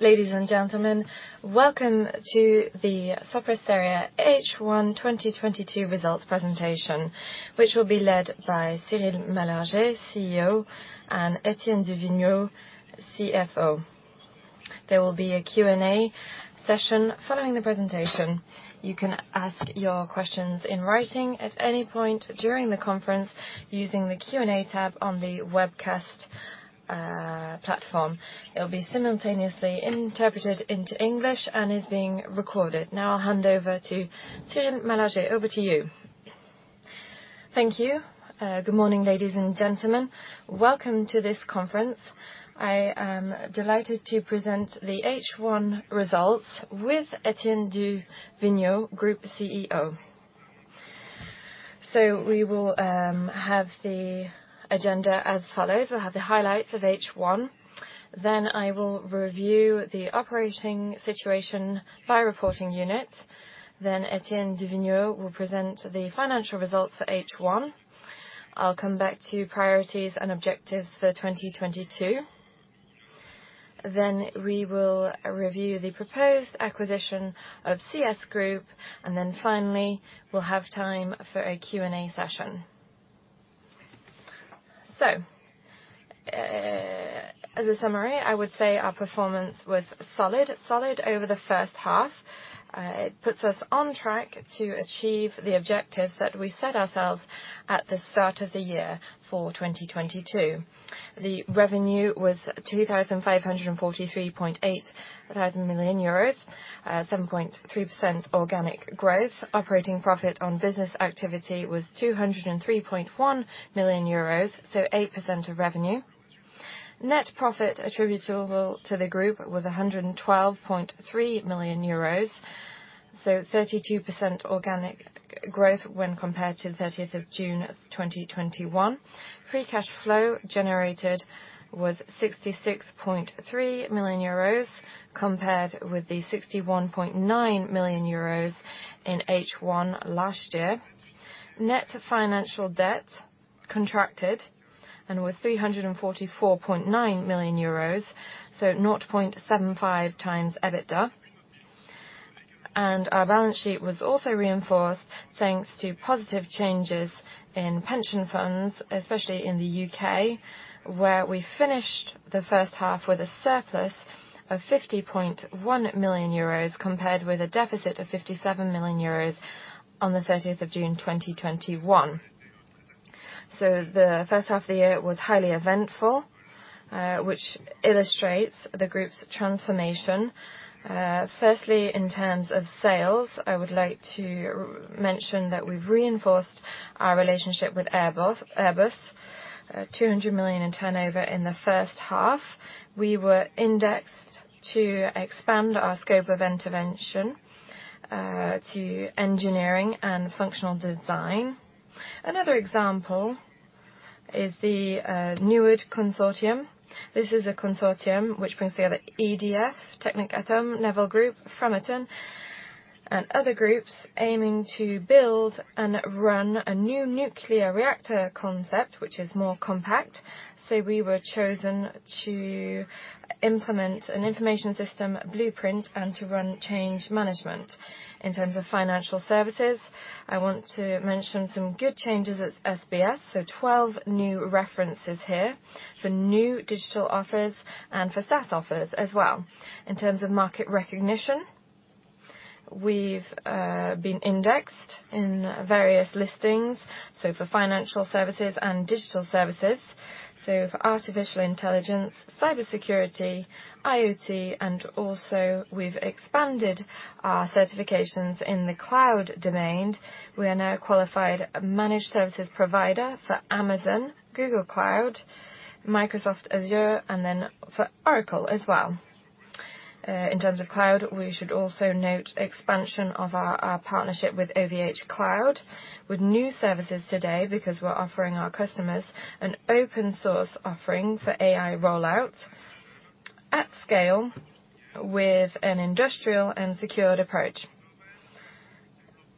Ladies and gentlemen, welcome to the Sopra Steria H1 2022 results presentation, which will be led by Cyril Malargé, CEO, and Étienne du Vignaux, CFO. There will be a Q&A session following the presentation. You can ask your questions in writing at any point during the conference using the Q&A tab on the webcast platform. It'll be simultaneously interpreted into English and is being recorded. Now I'll hand over to Cyril Malargé. Over to you. Thank you. Good morning, ladies and gentlemen. Welcome to this conference. I am delighted to present the H1 results with Étienne du Vignaux, Group CEO. We will have the agenda as follows. We'll have the highlights of H1. Then I will review the operating situation by reporting unit. Then Étienne du Vignaux will present the financial results for H1. I'll come back to priorities and objectives for 2022. We will review the proposed acquisition of CS Group, and finally, we'll have time for a Q&A session. As a summary, I would say our performance was solid over the first half. It puts us on track to achieve the objectives that we set ourselves at the start of the year for 2022. The revenue was 2,543.8 million euros, 7.3% organic growth. Operating profit on business activity was 203.1 million euros, so 8% of revenue. Net profit attributable to the group was 112.3 million euros, so 32% organic growth when compared to the 30th of June 2021. Free cash flow generated was 66.3 million euros compared with the 61.9 million euros in H1 last year. Net financial debt contracted and was 344.9 million euros, so 0.75x EBITDA. Our balance sheet was also reinforced thanks to positive changes in pension funds, especially in the U.K., where we finished the first half with a surplus of 50.1 million euros, compared with a deficit of 57 million euros on the 30th of June 2021. The first half of the year was highly eventful, which illustrates the group's transformation. Firstly, in terms of sales, I would like to mention that we've reinforced our relationship with Airbus, 200 million in turnover in the first half. We were instructed to expand our scope of intervention to engineering and functional design. Another example is the NUWARD consortium. This is a consortium which brings together EDF, TechnicAtome, Naval Group, Framatome, and other groups aiming to build and run a new nuclear reactor concept, which is more compact. We were chosen to implement an information system blueprint and to run change management. In terms of financial services, I want to mention some good changes at SBS. 12 new references here for new digital offers and for SaaS offers as well. In terms of market recognition, we've been indexed in various listings, so for financial services and digital services, so for artificial intelligence, cybersecurity, IoT, and also we've expanded our certifications in the cloud domain. We are now a qualified managed services provider for Amazon, Google Cloud, Microsoft Azure, and then for Oracle as well. In terms of cloud, we should also note expansion of our partnership with OVHcloud, with new services today because we're offering our customers an open source offering for AI rollout at scale with an industrial and secured approach.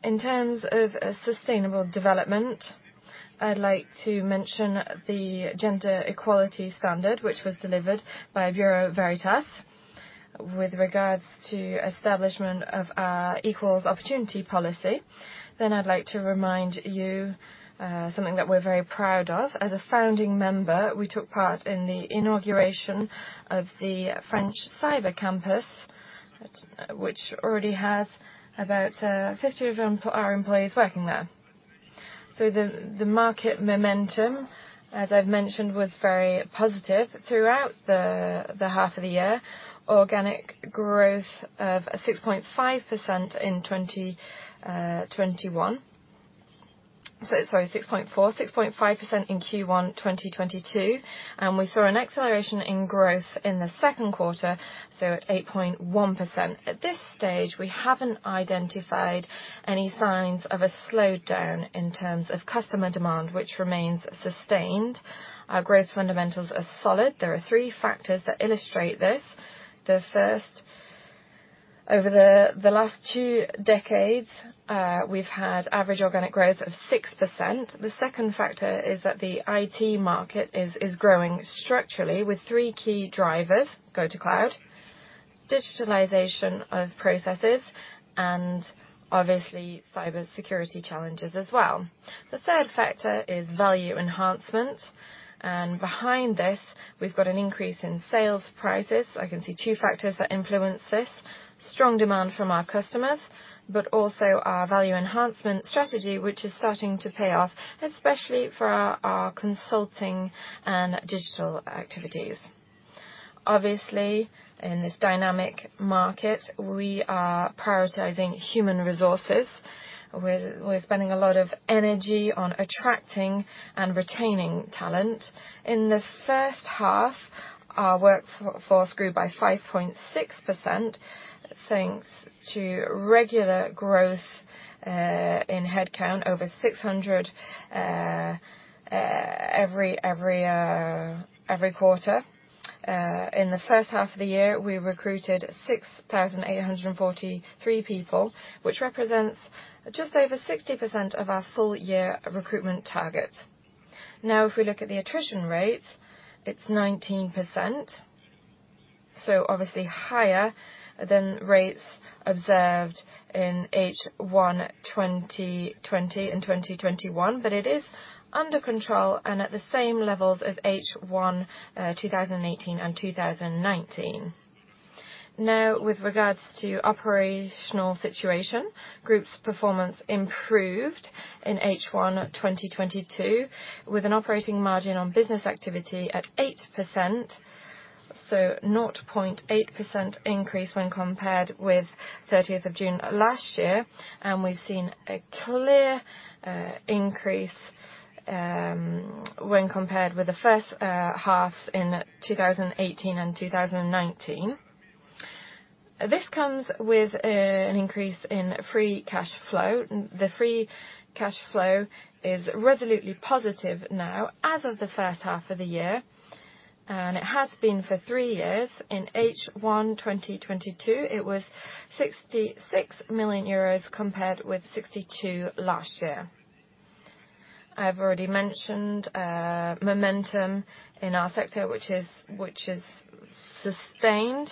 In terms of sustainable development, I'd like to mention the gender equality standard, which was delivered by Bureau Veritas with regards to establishment of our equal opportunity policy. I'd like to remind you something that we're very proud of. As a founding member, we took part in the inauguration of the French Cyber Campus, which already has about 50 of our employees working there. The market momentum, as I've mentioned, was very positive throughout the half of the year. Organic growth of 6.5% in 2021. Sorry, 6.4-6.5% in Q1 2022, and we saw an acceleration in growth in the second quarter, so at 8.1%. At this stage, we haven't identified any signs of a slowdown in terms of customer demand, which remains sustained. Our growth fundamentals are solid. There are three factors that illustrate this. Over the last two decades, we've had average organic growth of 6%. The second factor is that the IT market is growing structurally with three key drivers. Go to cloud, digitalization of processes, and obviously cyber security challenges as well. The third factor is value enhancement, and behind this we've got an increase in sales prices. I can see two factors that influence this. Strong demand from our customers, but also our value enhancement strategy, which is starting to pay off, especially for our consulting and digital activities. Obviously, in this dynamic market, we are prioritizing human resources. We're spending a lot of energy on attracting and retaining talent. In the first half, our workforce grew by 5.6%, thanks to regular growth in headcount over 600 every quarter. In the first half of the year, we recruited 6,843 people, which represents just over 60% of our full year recruitment target. Now, if we look at the attrition rates, it's 19%. Obviously higher than rates observed in H1 2020 and 2021, but it is under control and at the same levels of H1 2018 and 2019. Now, with regards to operational situation, the group's performance improved in H1 2022, with an operating margin on business activity at 8%, an 0.8% increase when compared with 30th June last year. We've seen a clear increase when compared with the first halves in 2018 and 2019. This comes with an increase in free cash flow. The free cash flow is resolutely positive now, as of the first half of the year, and it has been for three years. In H1 2022, it was 66 million euros compared with 62 million last year. I've already mentioned momentum in our sector, which is sustained,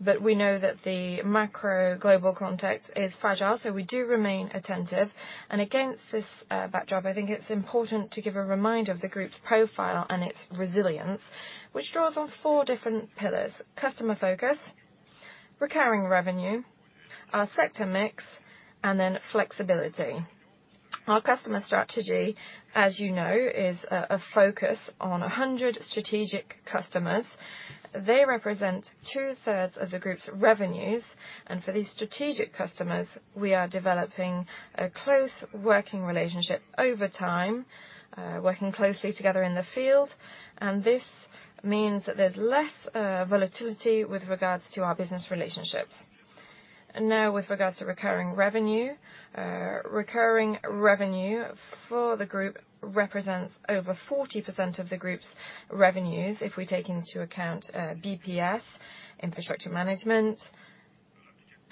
but we know that the macro global context is fragile, so we do remain attentive. Against this backdrop, I think it's important to give a reminder of the group's profile and its resilience, which draws on four different pillars, customer focus, recurring revenue, our sector mix, and then flexibility. Our customer strategy, as you know, is a focus on 100 strategic customers. They represent 2/3 of the group's revenues, and for these strategic customers, we are developing a close working relationship over time, working closely together in the field, and this means that there's less volatility with regards to our business relationships. Now, with regards to recurring revenue. Recurring revenue for the group represents over 40% of the group's revenues. If we take into account BPS, infrastructure management,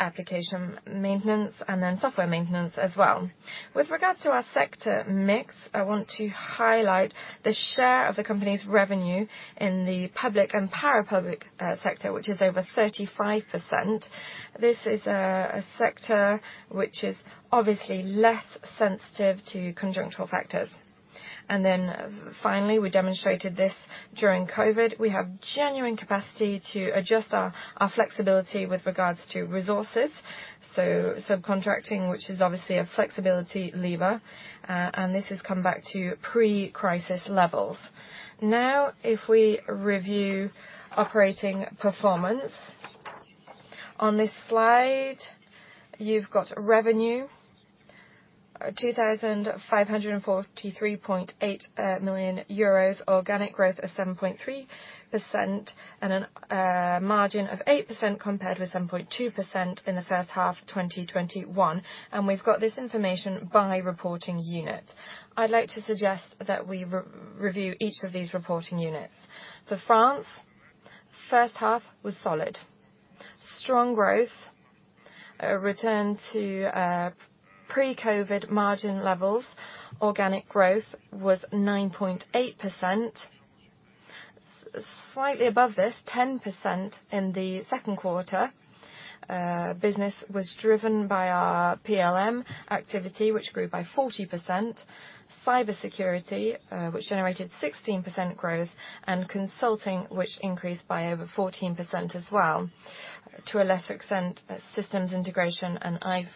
application maintenance, and then software maintenance as well. With regards to our sector mix, I want to highlight the share of the company's revenue in the public and parapublic sector, which is over 35%. This is a sector which is obviously less sensitive to conjunctural factors. Then finally, we demonstrated this during COVID. We have genuine capacity to adjust our flexibility with regards to resources, so subcontracting, which is obviously a flexibility lever, and this has come back to pre-crisis levels. Now, if we review operating performance. On this slide, you've got revenue, 2,543.8 million euros. Organic growth of 7.3% and a margin of 8% compared with 7.2% in the first half 2021. We've got this information by reporting unit. I'd like to suggest that we re-review each of these reporting units. The France first half was solid. Strong growth, a return to pre-COVID margin levels. Organic growth was 9.8%. Slightly above this, 10% in the second quarter. Business was driven by our PLM activity, which grew by 40%. Cybersecurity, which generated 16% growth, and consulting, which increased by over 14% as well. To a lesser extent, systems integration and IT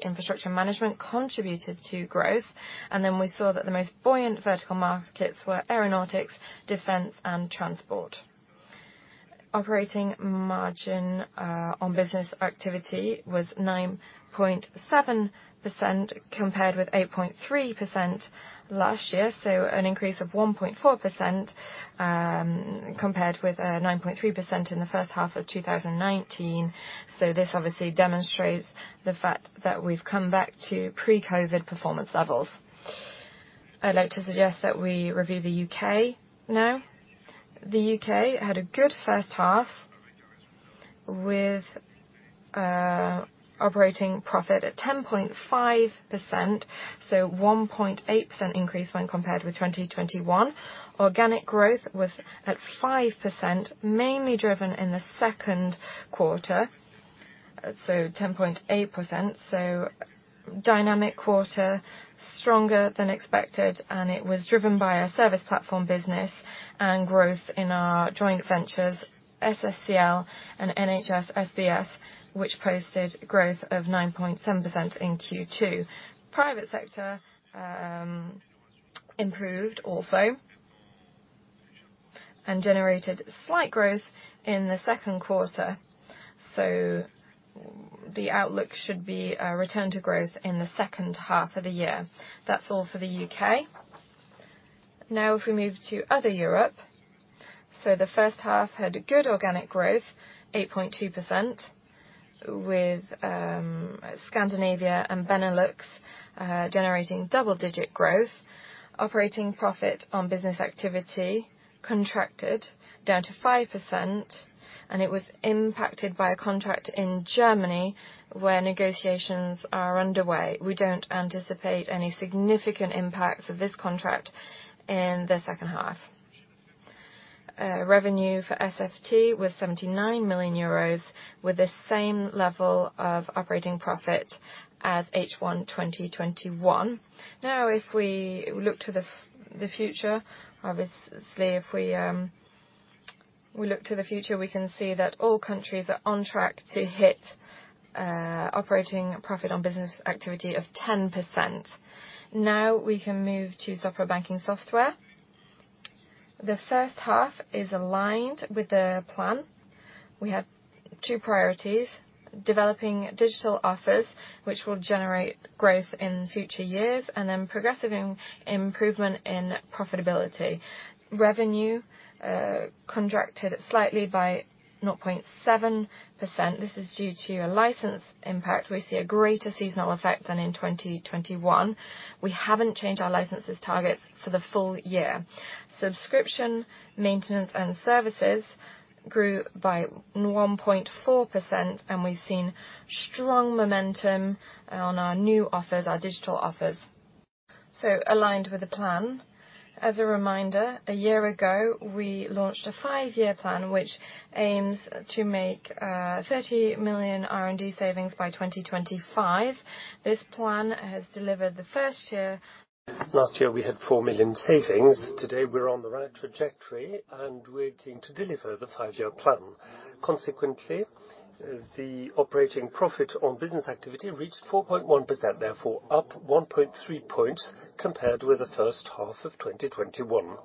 infrastructure management contributed to growth. We saw that the most buoyant vertical markets were aeronautics, defense, and transport. Operating margin on business activity was 9.7%, compared with 8.3% last year, so an increase of 1.4%, compared with 9.3% in the first half of 2019. This obviously demonstrates the fact that we've come back to pre-COVID performance levels. I'd like to suggest that we review the U.K. now. The U.K. had a good first half with operating profit at 10.5%, so 1.8% increase when compared with 2021. Organic growth was at 5%, mainly driven in the second quarter, so 10.8%. Dynamic quarter, stronger than expected, and it was driven by our service platform business and growth in our joint ventures, SSCL and NHS SBS, which posted growth of 9.7% in Q2. Private sector improved also and generated slight growth in the second quarter. The outlook should be a return to growth in the second half of the year. That's all for the U.K.. Now, if we move to other Europe. The first half had good organic growth, 8.2%, with Scandinavia and Benelux generating double-digit growth. Operating profit on business activity contracted down to 5%, and it was impacted by a contract in Germany, where negotiations are underway. We don't anticipate any significant impacts of this contract in the second half. Revenue for FST was 79 million euros, with the same level of operating profit as H1 2021. Now, if we look to the future, obviously, we can see that all countries are on track to hit operating profit on business activity of 10%. Now we can move to Software and Banking Software. The first half is aligned with the plan. We have two priorities, developing digital offers, which will generate growth in future years, and then progressive improvement in profitability. Revenue contracted slightly by 0.7%. This is due to a license impact. We see a greater seasonal effect than in 2021. We haven't changed our licenses targets for the full year. Subscription, maintenance, and services grew by 1.4%, and we've seen strong momentum on our new offers, our digital offers. Aligned with the plan. As a reminder, a year ago, we launched a five-year plan which aims to make 30 million R&D savings by 2025. This plan has delivered the first year. Last year, we had 4 million savings. Today, we're on the right trajectory, and we're going to deliver the five-year plan. Consequently, the operating profit on business activity reached 4.1%, therefore up 1.3 points compared with the first half of 2021.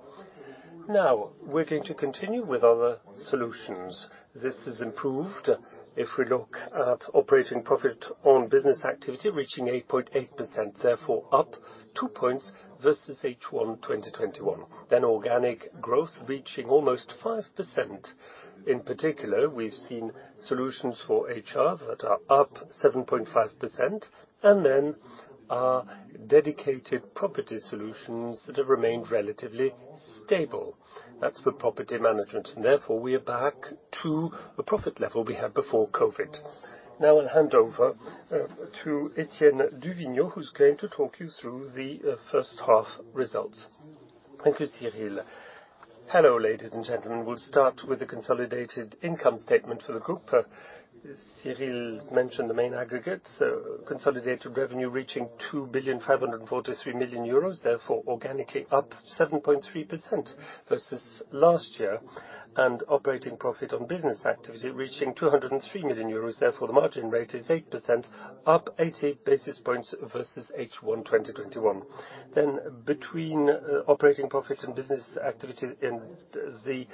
Now, we're going to continue with other solutions. This has improved. If we look at operating profit on business activity, reaching 8.8%, therefore up 2 points versus H1 2021. Organic growth reaching almost 5%. In particular, we've seen solutions for HR that are up 7.5%, and then our dedicated property solutions that have remained relatively stable. That's for property management, and therefore we are back to the profit level we had before COVID. Now I'll hand over to Étienne du Vignaux, who's going to talk you through the first half results. Thank you, Cyril. Hello, ladies and gentlemen. We'll start with the consolidated income statement for the group. Cyril's mentioned the main aggregates. Consolidated revenue reaching 2.543 billion euros, therefore organically up 7.3% versus last year. Operating profit on business activity reaching 203 million euros, therefore the margin rate is 8%, up 80 basis points versus H1 2021. Between operating profit on business activity and the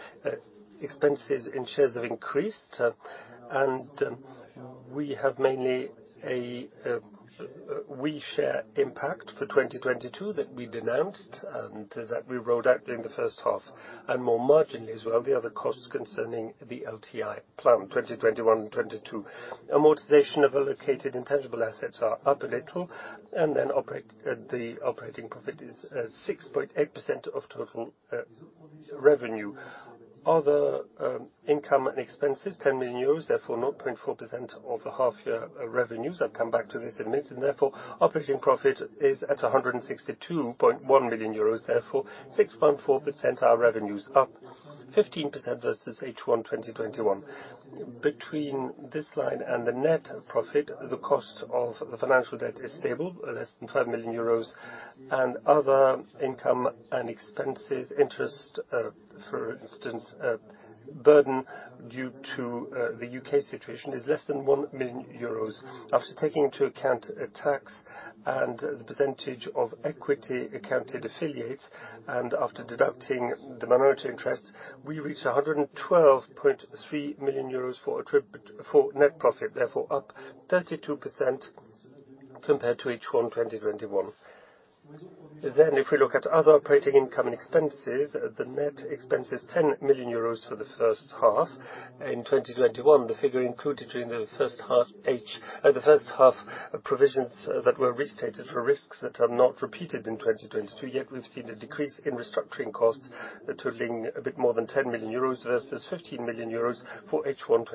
expenses, shares have increased. We have mainly a free share impact for 2022 that we announced and that we rolled out during the first half, and more marginally as well, the other costs concerning the LTI plan, 2021 and 2022. Amortization of allocated intangible assets are up a little, and then the operating profit is 6.8% of total revenue. Other income and expenses, 10 million euros, therefore 0.4% of the half year revenues. I'll come back to this in a minute. Therefore operating profit is at 162.1 million euros, therefore 6.4% our revenue's up, 15% versus H1 2021. Between this line and the net profit, the cost of the financial debt is stable at less than 5 million euros. Other income and expenses interest, for instance, burden due to the U.K. situation is less than 1 million euros. After taking into account tax and the percentage of equity accounted affiliates, and after deducting the minority interest, we reached 112.3 million euros for net profit, therefore up 32% compared to H1 2021. If we look at other operating income and expenses, the net expense is 10 million euros for the first half. In 2021, the figure included during the first half the first half provisions that were restated for risks that are not repeated in 2022, yet we've seen a decrease in restructuring costs totaling a bit more than 10 million euros versus 15 million euros for H1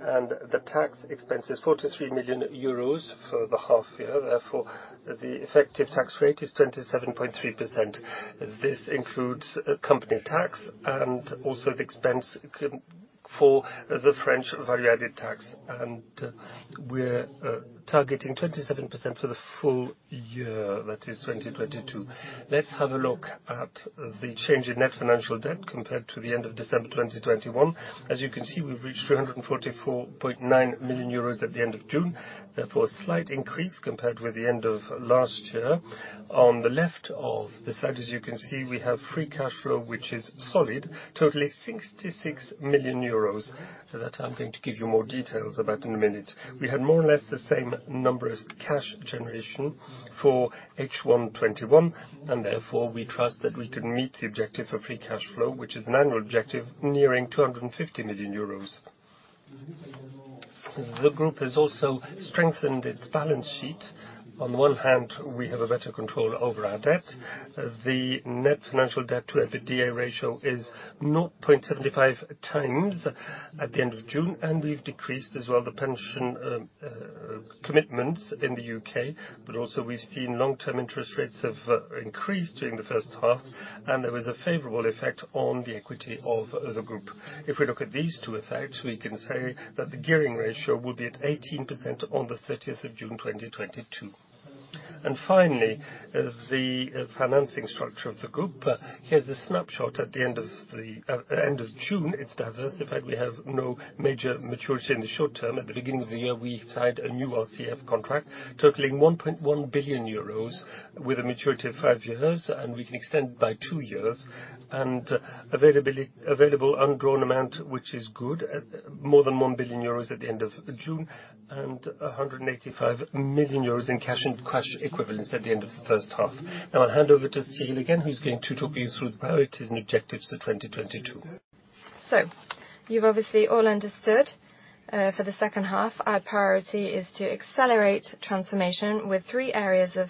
2021. The tax expense is 43 million euros for the half year. Therefore, the effective tax rate is 27.3%. This includes company tax and also the expense for the French value-added tax. We're targeting 27% for the full year, that is 2022. Let's have a look at the change in net financial debt compared to the end of December 2021. As you can see, we've reached 144.9 million euros at the end of June. Therefore, a slight increase compared with the end of last year. On the left of the slide, as you can see, we have free cash flow, which is solid, totaling 66 million euros. That I'm going to give you more details about in a minute. We had more or less the same numbers cash generation for H1 2021, and therefore, we trust that we can meet the objective for free cash flow, which is an annual objective nearing 250 million euros. The group has also strengthened its balance sheet. On one hand, we have a better control over our debt. The net financial debt to EBITDA ratio is 0.75x at the end of June, and we've decreased as well the pension commitments in the U.K.. But also, we've seen long-term interest rates have increased during the first half, and there was a favorable effect on the equity of the group. If we look at these two effects, we can say that the gearing ratio will be at 18% on the 30th of June, 2022. Finally, the financing structure of the group. Here's a snapshot at the end of June. It's diversified. We have no major maturity in the short term. At the beginning of the year, we signed a new RCF contract totaling 1.1 billion euros with a maturity of five years, and we can extend by two years. Available undrawn amount, which is good, more than 1 billion euros at the end of June, and 185 million euros in cash and cash equivalents at the end of the first half. Now I'll hand over to Cyril again, who's going to talk you through the priorities and objectives of 2022. You've obviously all understood, for the second half, our priority is to accelerate transformation with three areas of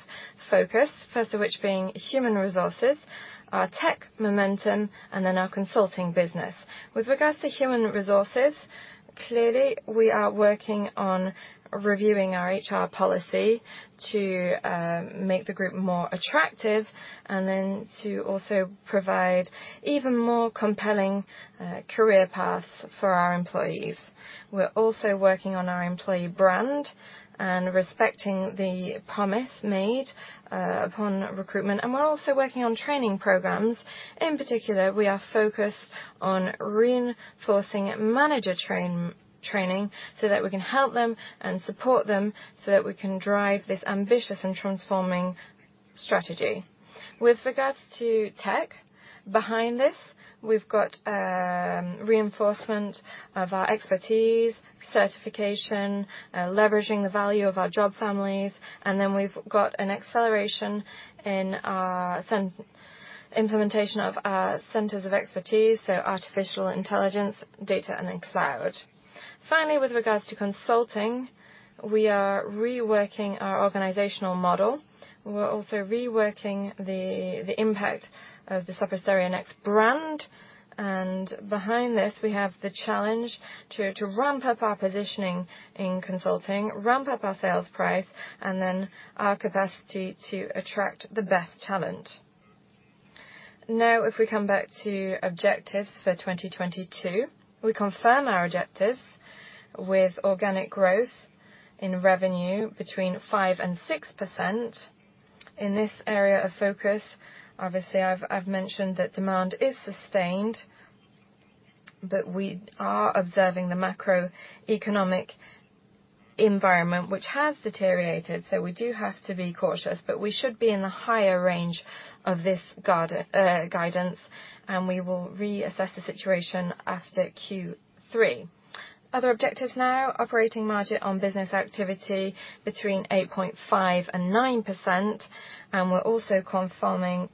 focus. First of which being human resources, our tech momentum, and then our consulting business. With regards to human resources, clearly, we are working on reviewing our HR policy to make the group more attractive and then to also provide even more compelling career paths for our employees. We're also working on our employee brand and respecting the promise made upon recruitment, and we're also working on training programs. In particular, we are focused on reinforcing manager training so that we can help them and support them, so that we can drive this ambitious and transforming strategy. With regards to tech, behind this, we've got reinforcement of our expertise, certification, leveraging the value of our job families, and then we've got an acceleration in our implementation of our centers of expertise, so artificial intelligence, data, and then cloud. Finally, with regards to consulting, we are reworking our organizational model. We're also reworking the impact of the Sopra Steria Next brand. Behind this, we have the challenge to ramp up our positioning in consulting, ramp up our sales price, and then our capacity to attract the best talent. Now, if we come back to objectives for 2022, we confirm our objectives with organic growth in revenue between 5% and 6%. In this area of focus, obviously, I've mentioned that demand is sustained, but we are observing the macroeconomic environment, which has deteriorated, so we do have to be cautious. We should be in the higher range of this guidance, and we will reassess the situation after Q3. Other objectives now. Operating margin on business activity between 8.5% and 9%, and we're also confirming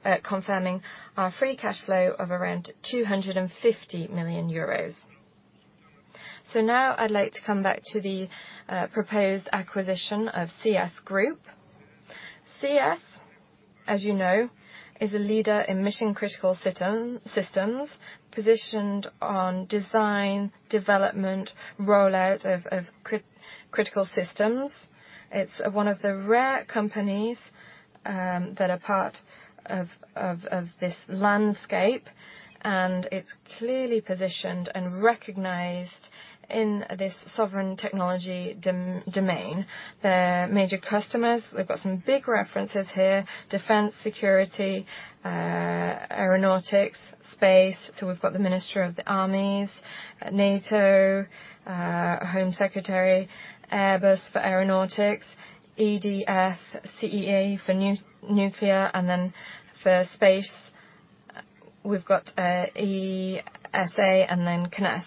our free cash flow of around 250 million euros. Now I'd like to come back to the proposed acquisition of CS Group. CS, as you know, is a leader in mission-critical systems, positioned on design, development, rollout of critical systems. It's one of the rare companies that are part of this landscape, and it's clearly positioned and recognized in this sovereign technology domain. Their major customers, they've got some big references here, defense, security, aeronautics, space. We've got the Ministry of the Armies, NATO, Home Secretary, Airbus for aeronautics, EDF, CEA for nuclear, and then for space. We've got ESA and then CNES.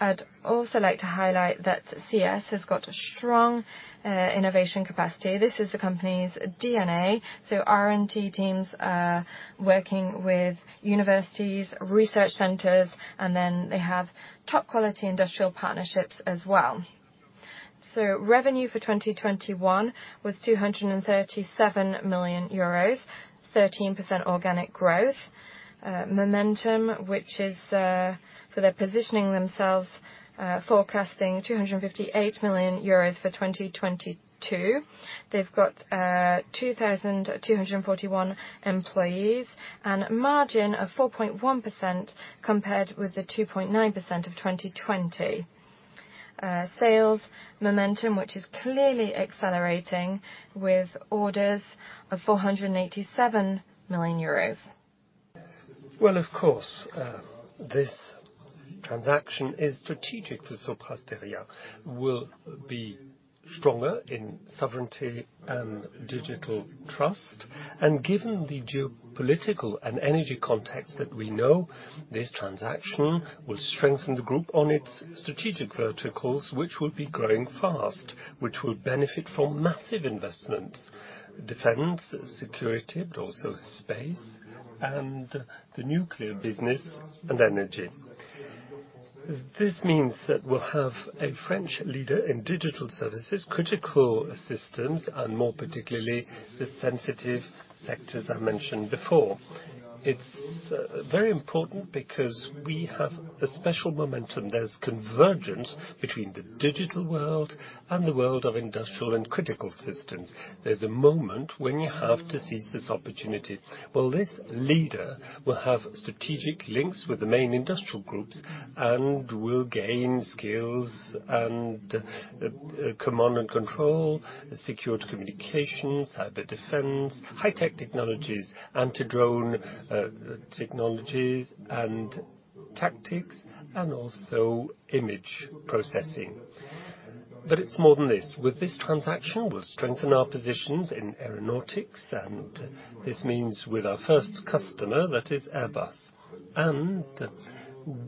I'd also like to highlight that CS has got a strong innovation capacity. This is the company's DNA. R&D teams are working with universities, research centers, and then they have top quality industrial partnerships as well. Revenue for 2021 was 237 million euros, 13% organic growth. They're positioning themselves, forecasting 258 million euros for 2022. They've got 2,241 employees and margin of 4.1% compared with the 2.9% of 2020. Sales momentum, which is clearly accelerating with orders of 487 million euros. Well, of course, this transaction is strategic for Sopra Steria, will be stronger in sovereignty and digital trust. Given the geopolitical and energy context that we know, this transaction will strengthen the group on its strategic verticals, which will be growing fast, which will benefit from massive investments, defense, security, but also space and the nuclear business and energy. This means that we'll have a French leader in digital services, critical systems and more particularly, the sensitive sectors I mentioned before. It's very important because we have a special momentum. There's convergence between the digital world and the world of industrial and critical systems. There's a moment when you have to seize this opportunity. Well, this leader will have strategic links with the main industrial groups and will gain skills and, command and control, secured communications, cyber defense, high-tech technologies, anti-drone, technologies and tactics, and also image processing. It's more than this. With this transaction, we'll strengthen our positions in aeronautics, and this means with our first customer, that is Airbus.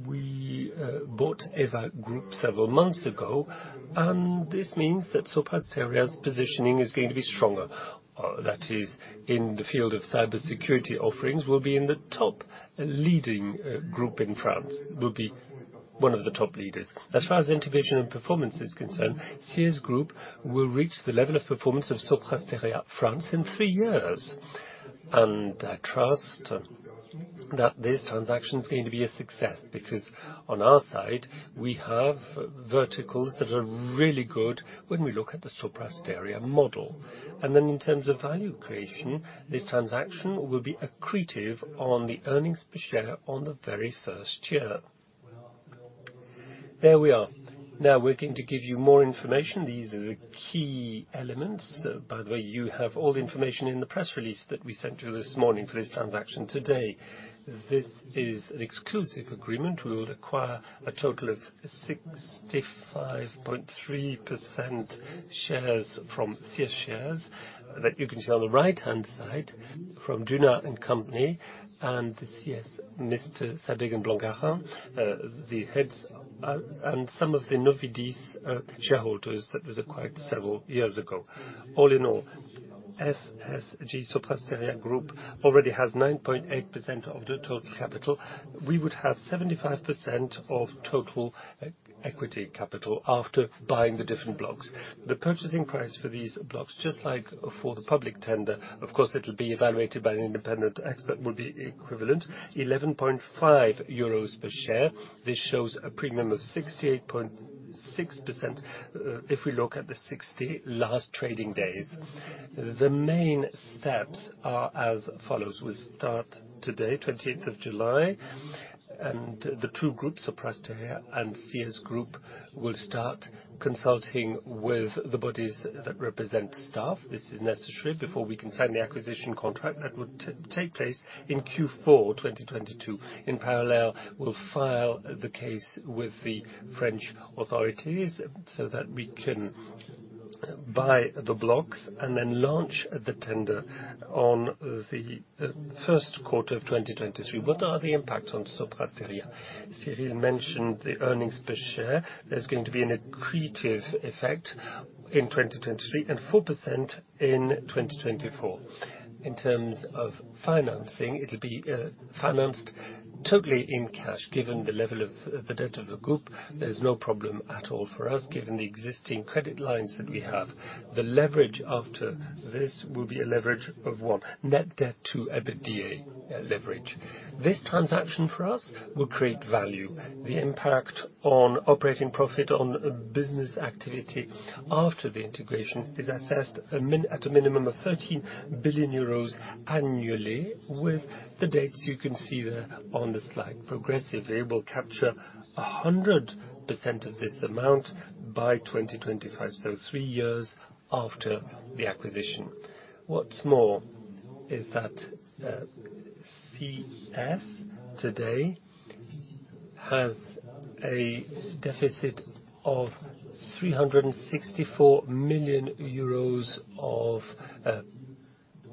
We bought EVA Group several months ago, and this means that Sopra Steria's positioning is going to be stronger. That is, in the field of cybersecurity offerings, we'll be in the top leading, group in France. We'll be one of the top leaders. As far as integration and performance is concerned, CS Group will reach the level of performance of Sopra Steria France in three years. I trust that this transaction is going to be a success because on our side, we have verticals that are really good when we look at the Sopra Steria model. In terms of value creation, this transaction will be accretive on the earnings per share on the very first year. There we are. Now we're going to give you more information. These are the key elements. By the way, you have all the information in the press release that we sent you this morning for this transaction today. This is an exclusive agreement. We would acquire a total of 65.3% shares from CS shares that you can see on the right-hand side from Duna & Cie and CS, Mr. Sabeg and Eric Blanc-Garin, the heads and some of the Novidis shareholders that was acquired several years ago. All in all, SSG, Sopra Steria Group, already has 9.8% of the total capital. We would have 75% of total equity capital after buying the different blocks. The purchasing price for these blocks, just like for the public tender, of course, it will be evaluated by an independent expert, will be equivalent 11.5 euros per share. This shows a premium of 68.6%, if we look at the last 60 trading days. The main steps are as follows. We start today, twentieth of July, and the two groups, Sopra Steria and CS Group, will start consulting with the bodies that represent staff. This is necessary before we can sign the acquisition contract. That would take place in Q4 2022. In parallel, we'll file the case with the French authorities so that we can buy the blocks and then launch the tender on the first quarter of 2023. What are the impact on Sopra Steria? Cyril mentioned the earnings per share. There's going to be an accretive effect in 2023 and 4% in 2024. In terms of financing, it'll be financed totally in cash. Given the level of the debt of the group, there's no problem at all for us, given the existing credit lines that we have. The leverage after this will be a leverage of one. Net debt to EBITDA leverage. This transaction for us will create value. The impact on operating profit on business activity after the integration is assessed at a minimum of 13 billion euros annually with the dates you can see there on the slide. Progressively, we'll capture 100% of this amount by 2025, so three years after the acquisition. What's more is that, CS today has a deficit of 364 million euros of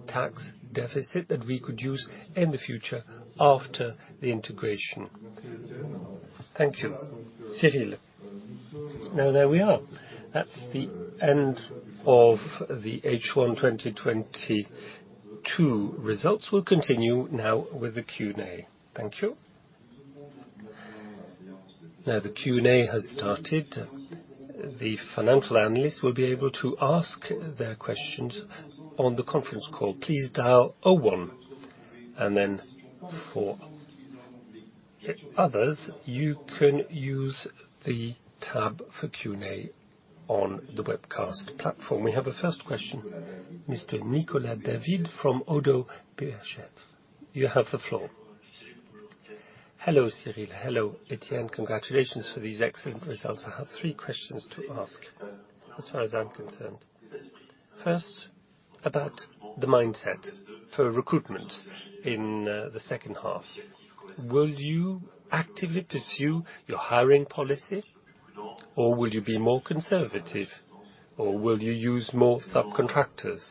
tax deficit that we could use in the future after the integration. Thank you. Cyril. Now there we are. That's the end of the H1 2022 results. We'll continue now with the Q&A. Thank you. Now, the Q&A has started. The financial analysts will be able to ask their questions on the conference call. Please dial zero one, and then for others, you can use the tab for Q&A on the webcast platform. We have a first question, Mr. Nicolas David from Oddo BHF. You have the floor. Hello, Cyril. Hello, Étienne. Congratulations for these excellent results. I have three questions to ask, as far as I'm concerned. First, about the mindset for recruitment in the second half. Will you actively pursue your hiring policy, or will you be more conservative? Or will you use more subcontractors?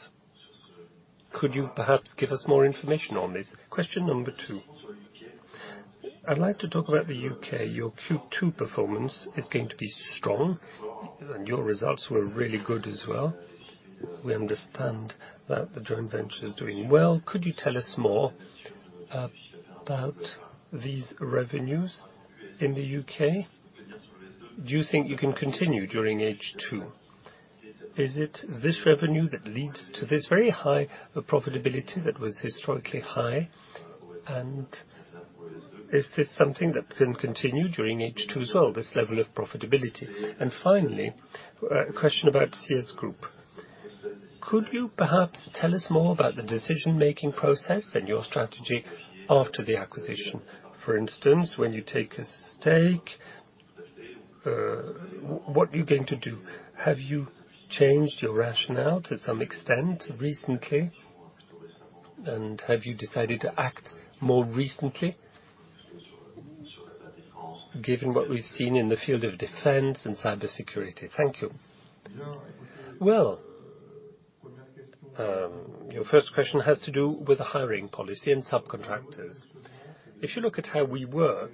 Could you perhaps give us more information on this? Question number two. I'd like to talk about the U.K.. Your Q2 performance is going to be strong, and your results were really good as well. We understand that the joint venture is doing well. Could you tell us more about these revenues in the U.K.? Do you think you can continue during H2? Is it this revenue that leads to this very high profitability that was historically high, and is this something that can continue during H2 as well, this level of profitability? Finally, a question about CS Group. Could you perhaps tell us more about the decision-making process and your strategy after the acquisition? For instance, when you take a stake, what are you going to do? Have you changed your rationale to some extent recently? Have you decided to act more recently, given what we've seen in the field of defense and cybersecurity? Thank you. Well, your first question has to do with the hiring policy and subcontractors. If you look at how we work,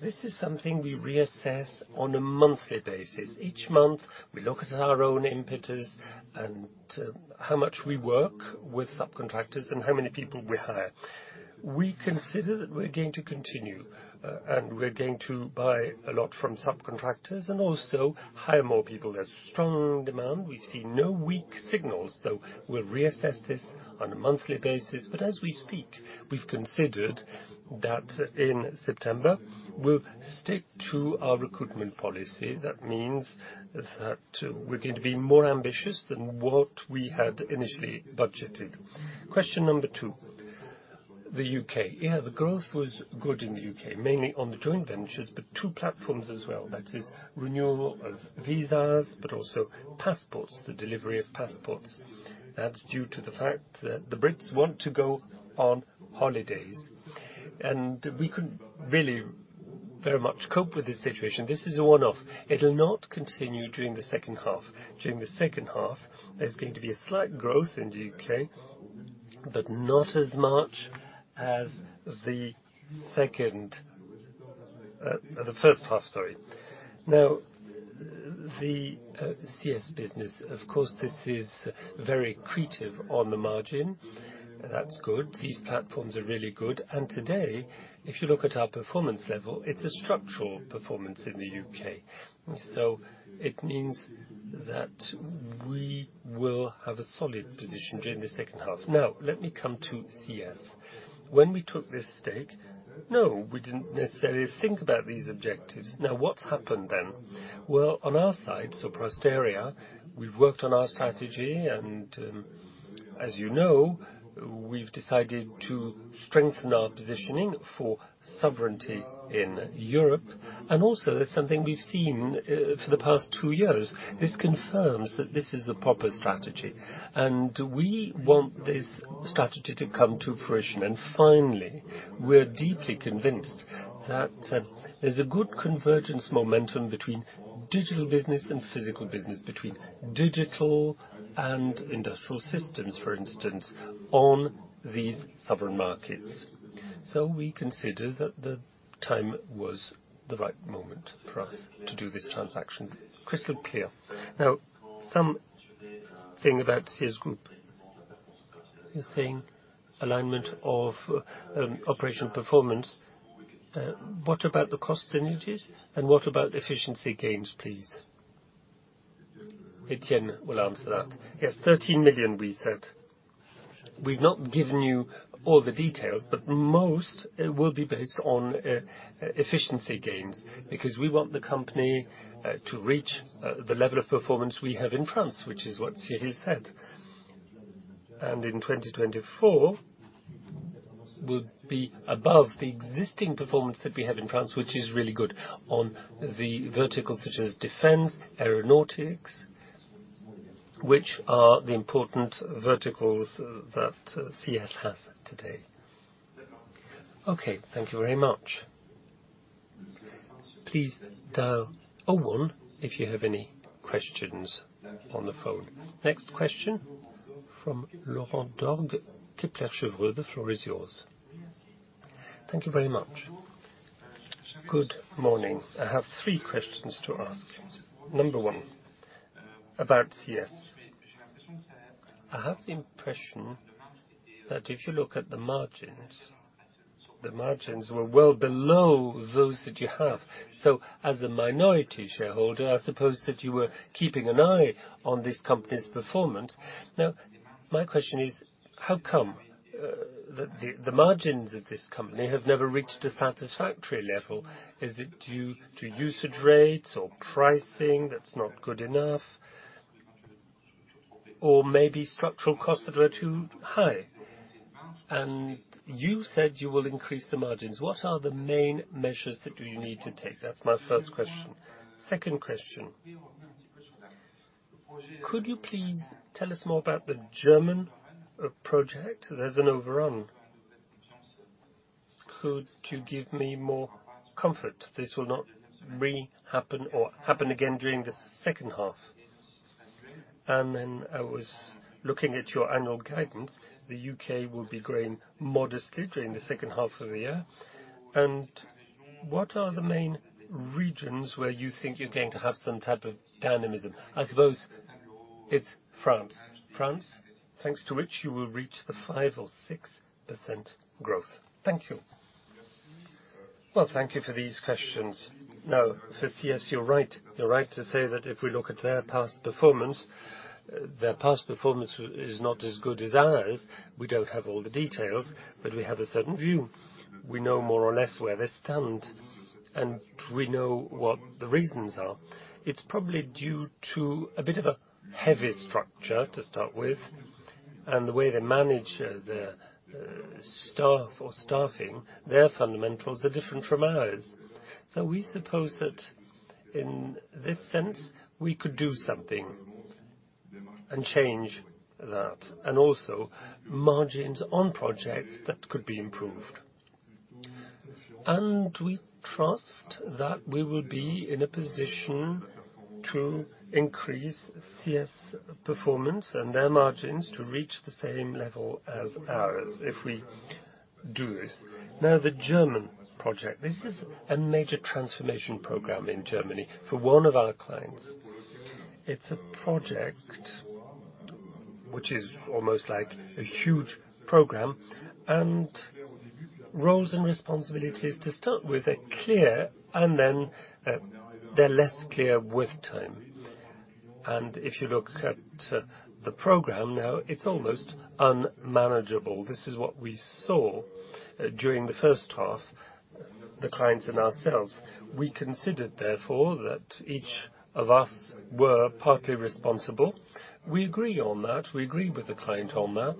this is something we reassess on a monthly basis. Each month, we look at our own impetus and how much we work with subcontractors and how many people we hire. We consider that we're going to continue, and we're going to buy a lot from subcontractors and also hire more people. There's strong demand. We see no weak signals. We'll reassess this on a monthly basis. As we speak, we've considered that in September, we'll stick to our recruitment policy. That means that we're going to be more ambitious than what we had initially budgeted. Question number two, the U.K. Yeah, the growth was good in the U.K., mainly on the joint ventures, but two platforms as well. That is renewal of visas, but also passports, the delivery of passports. That's due to the fact that the Brits want to go on holidays, and we couldn't really very much cope with this situation. This is a one-off. It'll not continue during the second half. During the second half, there's going to be a slight growth in the U.K., but not as much as the second, the first half, sorry. Now, the CS business, of course, this is very accretive on the margin. That's good. These platforms are really good. Today, if you look at our performance level, it's a structural performance in the U.K. It means that we will have a solid position during the second half. Now let me come to CS. When we took this stake, no, we didn't necessarily think about these objectives. Now, what's happened then? Well, on our side, Sopra Steria, we've worked on our strategy, and, as you know, we've decided to strengthen our positioning for sovereignty in Europe. Also, that's something we've seen for the past two years. This confirms that this is a proper strategy, and we want this strategy to come to fruition. Finally, we're deeply convinced that there's a good convergence momentum between digital business and physical business, between digital and industrial systems, for instance, on these sovereign markets. We consider that the time was the right moment for us to do this transaction. Crystal clear. Now, something about CS Group. You're saying alignment of operational performance. What about the cost synergies, and what about efficiency gains, please? Étienne will answer that. Yes, 13 million, we said. We've not given you all the details, but most will be based on efficiency gains because we want the company to reach the level of performance we have in France, which is what Cyril said. In 2024, we'll be above the existing performance that we have in France, which is really good on the verticals such as defense, aeronautics. Which are the important verticals that CS has today? Okay, thank you very much. Please dial zero one if you have any questions on the phone. Next question from Laurent Daure, Kepler Cheuvreux. The floor is yours. Thank you very much. Good morning. I have three questions to ask. Number one, about CS. I have the impression that if you look at the margins, the margins were well below those that you have. As a minority shareholder, I suppose that you were keeping an eye on this company's performance. Now, my question is, how come, the margins of this company have never reached a satisfactory level? Is it due to usage rates or pricing that's not good enough? Or maybe structural costs that were too high? You said you will increase the margins. What are the main measures that you need to take? That's my first question. Second question. Could you please tell us more about the German project? There's an overrun. Could you give me more comfort this will not re-happen or happen again during the second half? Then I was looking at your annual guidance. The UK will be growing modestly during the second half of the year. What are the main regions where you think you're going to have some type of dynamism? I suppose it's France. France, thanks to which you will reach the 5%-6% growth. Thank you. Well, thank you for these questions. Now, for CS, you're right. You're right to say that if we look at their past performance, their past performance is not as good as ours. We don't have all the details, but we have a certain view. We know more or less where they stand, and we know what the reasons are. It's probably due to a bit of a heavy structure to start with and the way they manage their staff or staffing. Their fundamentals are different from ours. We suppose that in this sense, we could do something and change that, and also margins on projects that could be improved. We trust that we will be in a position to increase CS performance and their margins to reach the same level as ours if we do this. Now, the German project. This is a major transformation program in Germany for one of our clients. It's a project which is almost like a huge program, and roles and responsibilities to start with are clear, and then, they're less clear with time. If you look at the program now, it's almost unmanageable. This is what we saw during the first half, the clients and ourselves. We considered, therefore, that each of us were partly responsible. We agree on that. We agree with the client on that.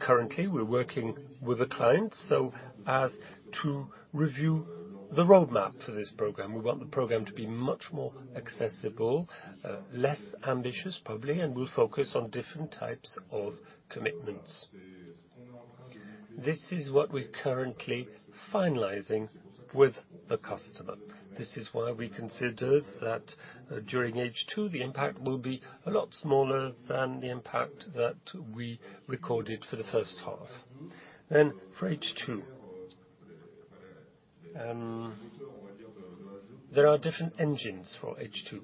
Currently, we're working with the client so as to review the roadmap for this program. We want the program to be much more accessible, less ambitious, probably, and we'll focus on different types of commitments. This is what we're currently finalizing with the customer. This is why we consider that during H2, the impact will be a lot smaller than the impact that we recorded for the first half. For H2, there are different engines for H2,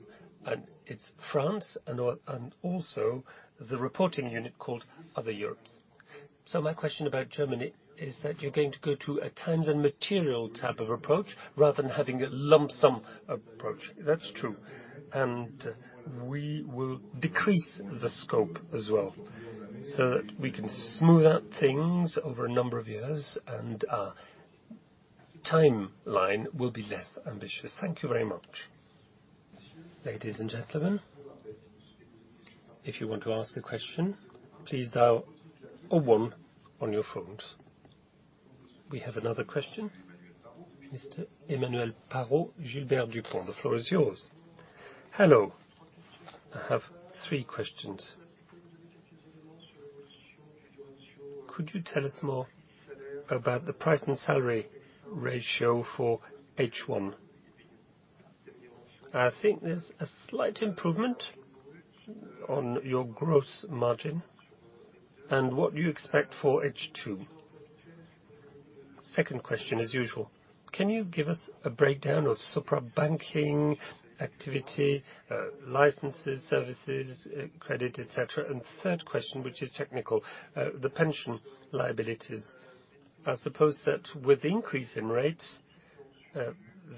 and it's France and also the reporting unit called Other Europes. My question about Germany is that you're going to go to a time and material type of approach rather than having a lump sum approach. That's true. We will decrease the scope as well, so that we can smooth out things over a number of years and timeline will be less ambitious. Thank you very much. Ladies and gentlemen, if you want to ask a question, please dial zero one on your phones. We have another question. Mr. Emmanuel Parot, Gilbert Dupont. The floor is yours. Hello. I have three questions. Could you tell us more about the price and salary ratio for H1? I think there's a slight improvement on your gross margin. What do you expect for H2? Second question as usual. Can you give us a breakdown of Sopra Banking activity, licenses, services, credit, et cetera? Third question, which is technical, the pension liabilities. I suppose that with increase in rates,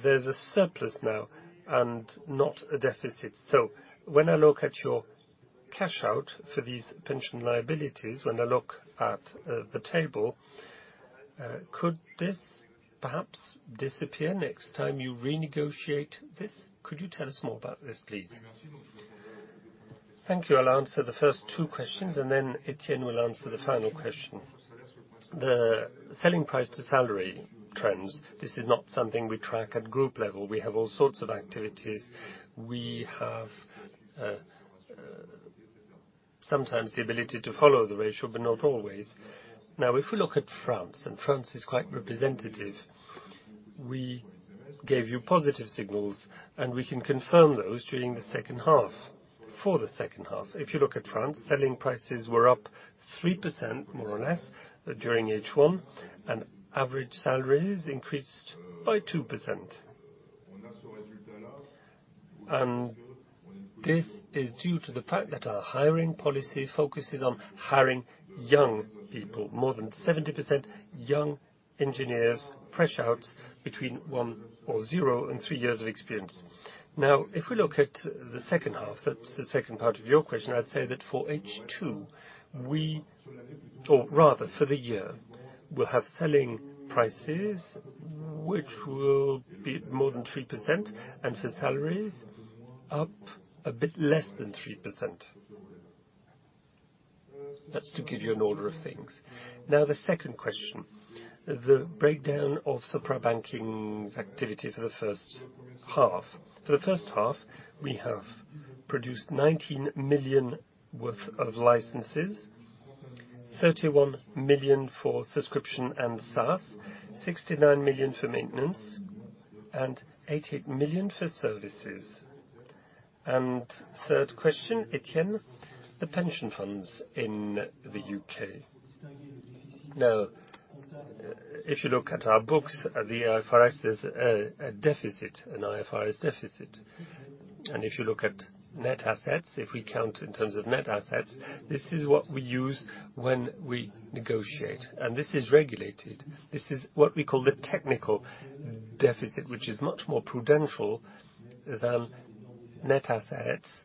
there's a surplus now and not a deficit. When I look at your cash out for these pension liabilities, when I look at the table, could this perhaps disappear next time you renegotiate this? Could you tell us more about this, please? Thank you. I'll answer the first two questions, and then Étienne will answer the final question. The selling price to salary trends, this is not something we track at group level. We have all sorts of activities. We have sometimes the ability to follow the ratio, but not always. Now, if we look at France, and France is quite representative, we gave you positive signals, and we can confirm those during the second half. For the second half, if you look at France, selling prices were up 3% more or less during H1, and average salaries increased by 2%. This is due to the fact that our hiring policy focuses on hiring young people. More than 70% young engineers, fresh out between one or zero and three years of experience. Now, if we look at the second half, that's the second part of your question, I'd say that for H2, or rather for the year, we'll have selling prices which will be more than 3%, and for salaries, up a bit less than 3%. That's to give you an order of things. Now, the second question. The breakdown of Sopra Banking's activity for the first half. For the first half, we have produced 19 million worth of licenses, 31 million for subscription and SaaS, 69 million for maintenance, and 88 million for services. Third question, Étienne, the pension funds in the U.K.. Now, if you look at our books, the IFRS, there's a deficit, an IFRS deficit. If you look at net assets, if we count in terms of net assets, this is what we use when we negotiate. This is regulated. This is what we call the technical deficit, which is much more prudential than net assets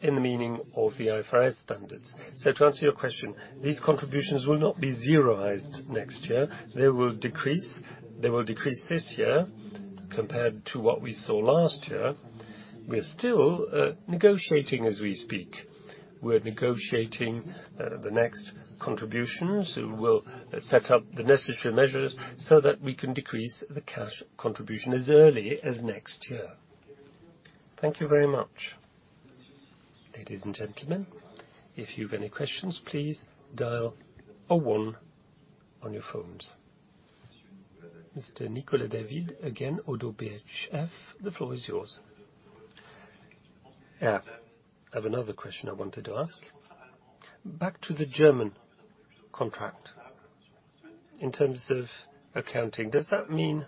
in the meaning of the IFRS standards. To answer your question, these contributions will not be zeroized next year. They will decrease. They will decrease this year compared to what we saw last year. We're still negotiating as we speak. We're negotiating the next contributions. We will set up the necessary measures so that we can decrease the cash contribution as early as next year. Thank you very much. Ladies and gentlemen, if you've any questions, please dial zero one on your phones. Mr. Nicolas David, again, Oddo BHF, the floor is yours. Yeah. I have another question I wanted to ask. Back to the German contract. In terms of accounting, does that mean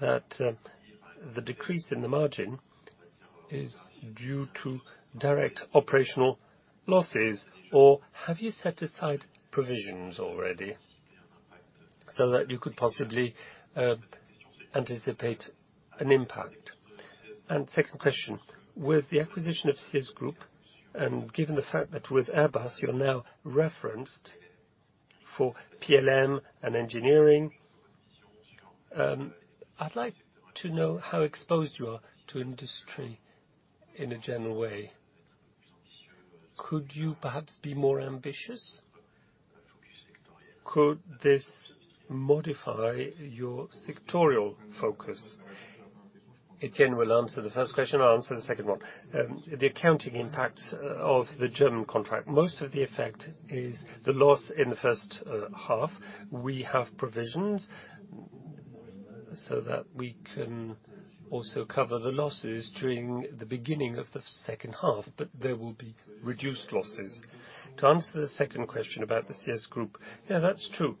that the decrease in the margin is due to direct operational losses, or have you set aside provisions already so that you could possibly anticipate an impact? Second question, with the acquisition of CS Group, and given the fact that with Airbus, you're now referenced for PLM and engineering, I'd like to know how exposed you are to industry in a general way. Could you perhaps be more ambitious? Could this modify your sectoral focus? Etienne will answer the first question. I'll answer the second one. The accounting impact of the German contract. Most of the effect is the loss in the first half. We have provisions so that we can also cover the losses during the beginning of the second half, but there will be reduced losses. To answer the second question about the CS Group. Yeah, that's true.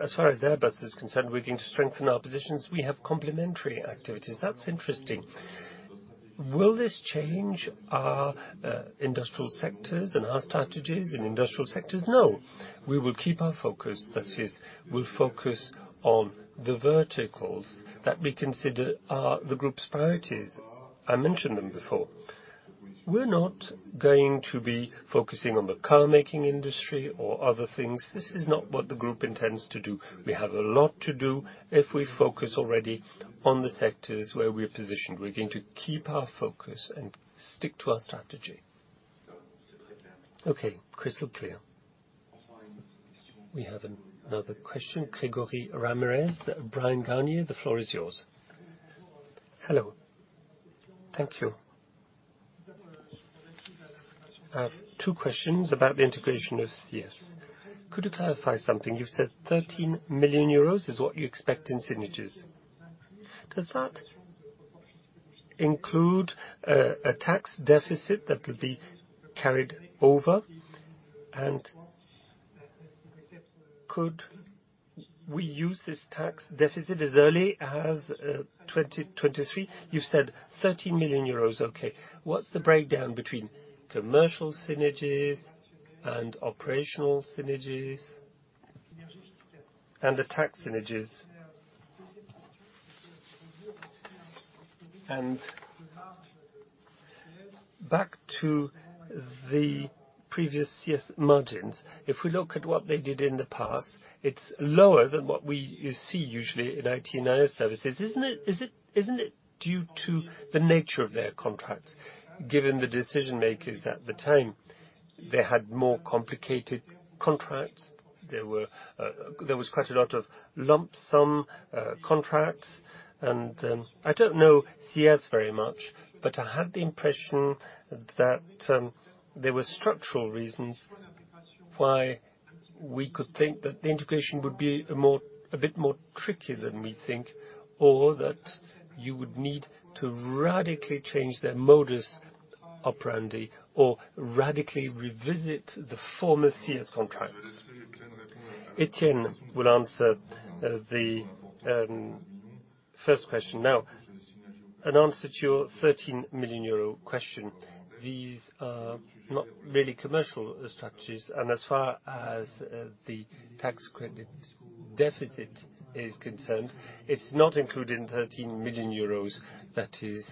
As far as Airbus is concerned, we're going to strengthen our positions. We have complementary activities. That's interesting. Will this change our industrial sectors and our strategies in industrial sectors? No. We will keep our focus. That is, we'll focus on the verticals that we consider are the group's priorities. I mentioned them before. We're not going to be focusing on the car making industry or other things. This is not what the group intends to do. We have a lot to do if we focus already on the sectors where we're positioned. We're going to keep our focus and stick to our strategy. Okay. Crystal clear. We have another question. Gregory Ramirez, Bryan, Garnier & Co, the floor is yours. Hello. Thank you. I have two questions about the integration of CS. Could you clarify something? You said 13 million euros is what you expect in synergies. Does that include a tax deficit that will be carried over, and could we use this tax deficit as early as 2023? You said 30 million euros. Okay. What's the breakdown between commercial synergies and operational synergies and the tax synergies? Back to the previous CS margins, if we look at what they did in the past. It's lower than what we see usually in IT and IS services. Isn't it due to the nature of their contracts? Given the decision-makers at the time, they had more complicated contracts. There was quite a lot of lump sum contracts and I don't know CS very much, but I had the impression that there were structural reasons why we could think that the integration would be a bit more trickier than we think, or that you would need to radically change their modus operandi or radically revisit the former CS contracts. Étienne will answer the first question. Now, an answer to your 13 million euro question. These are not really commercial structures, and as far as the tax credit deficit is concerned, it's not included in 13 million euros. That is,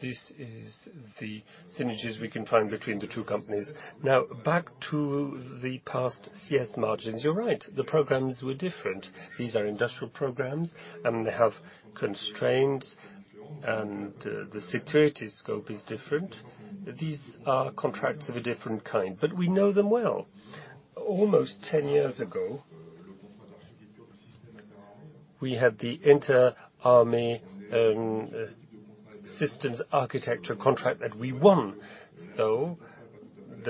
this is the synergies we can find between the two companies. Now, back to the past CS margins. You're right, the programs were different. These are industrial programs, and they have constraints, and the security scope is different. These are contracts of a different kind, but we know them well. Almost ten years ago, we had the Inter Army Systems Architecture contract that we won. The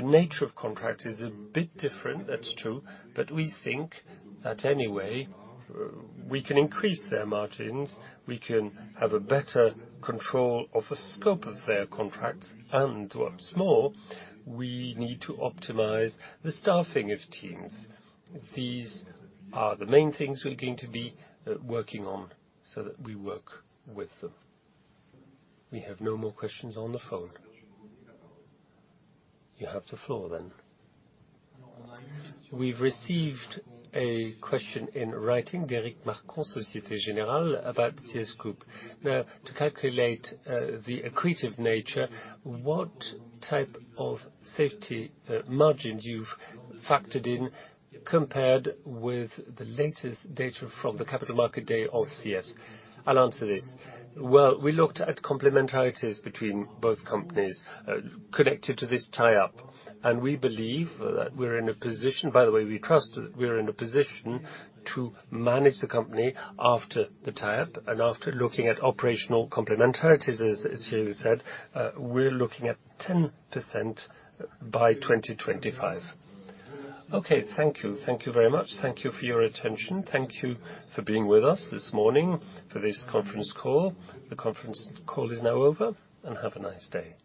nature of contract is a bit different, that's true. We think that anyway, we can increase their margins, we can have a better control of the scope of their contracts. What's more, we need to optimize the staffing of teams. These are the main things we're going to be working on so that we work with them. We have no more questions on the phone. You have the floor then. We've received a question in writing, Derric Marcon, Société Générale about CS Group. Now, to calculate the accretive nature, what type of safety margins you've factored in compared with the latest data from the capital market day of CS Group? I'll answer this. Well, we looked at complementarities between both companies connected to this tie-up, and we believe that we're in a position. By the way, we trust that we're in a position to manage the company after the tie-up and after looking at operational complementarities, as Cyril said. We're looking at 10% by 2025. Okay. Thank you. Thank you very much. Thank you for your attention. Thank you for being with us this morning for this conference call. The conference call is now over, and have a nice day.